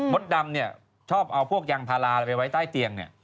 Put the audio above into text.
ดำเนี่ยชอบเอาพวกยางพาราอะไรไปไว้ใต้เตียงเนี่ย